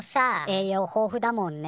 栄養豊富だもんね。